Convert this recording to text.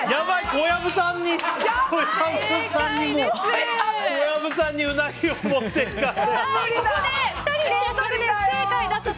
小藪さんにうなぎを持っていかれる。